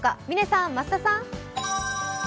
嶺さん、増田さん。